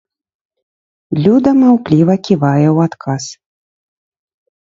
Люда маўкліва ківае ў адказ.